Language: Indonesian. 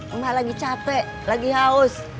emak lagi capek lagi haus